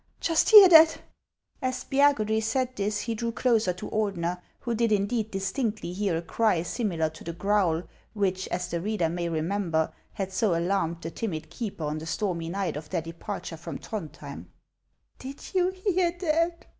just hear that !" As Spiagudry said this, he drew closer to Ordener, who did indeed distinctly hear a cry similar to the growl which, as the reader may remember, had so alarmed the timid HASS OF ICELAND. 233 keeper on the stormy night of their departure from Throndhjem. " Did you hear that